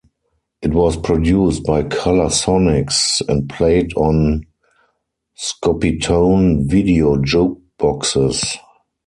It was produced by Color-Sonics, and played on Scopitone video jukeboxes.